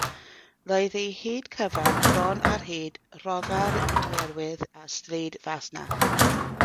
Roedd ei hyd cyfan bron ar hyd Rhodfa'r Iwerydd a Stryd Fasnach.